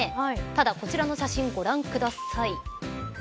ただこちらの写真ご覧ください。